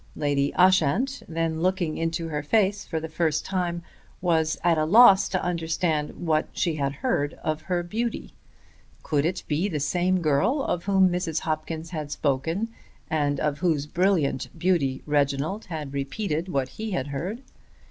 Lady Ushant, then looking into her face for the first time, was at a loss to understand what she had heard of her beauty. Could it be the same girl of whom Mrs. Hopkins had spoken and of whose brilliant beauty Reginald had repeated what he had heard?